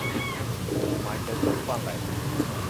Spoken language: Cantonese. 我買咗粥返嚟